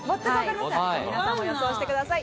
皆さんも予想してください。